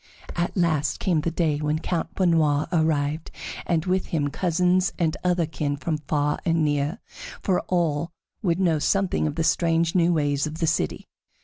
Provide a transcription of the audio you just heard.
At last came the day when Count Benoît arrived, and with him cousins and other kin from far and near, for all would know something of the strange new ways in the city.